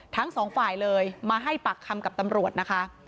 ทั้งสองฝ่ายเลยมาให้ปากคำกับตำรวจนะคะ